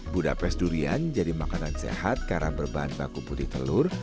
budapes durian jadi makanan sehat karena berbahan baku putih telur